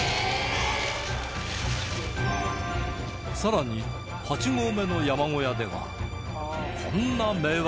さらに８合目の山小屋ではこんな迷惑行為も